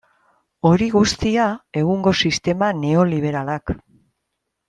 Hori guztia egungo sistema neoliberalak.